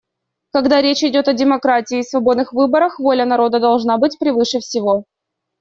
Когда речь идет о демократии и свободных выборах, воля народа должна быть превыше всего.